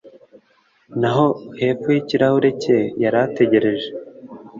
naho hepfo yikirahure cye yari ategereje